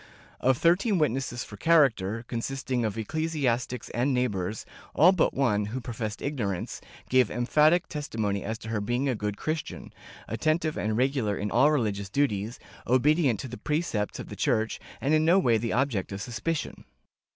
Of thirteen witnesses for character, consisting of eccle siastics and neighbors, all but one — who professed ignorance — gave emphatic testimony as to her being a good Christian, attentive and regular in all religious duties, obedient to the precepts of the Church, and in no way the object of suspicion.